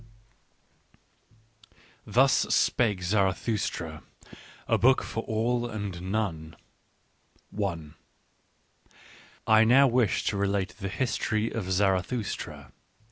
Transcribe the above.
"Thus Spake Zarathustra: A Book for All and None " I now wish to rglatethe history of Z arathus tra.